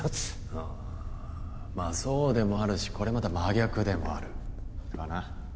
ああまあそうでもあるしこれまた真逆でもあるかな？